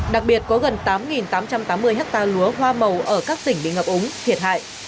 đặc biệt có gần tám tám trăm tám mươi ha lúa hoa màu ở các tỉnh bị ngập úng thiệt hại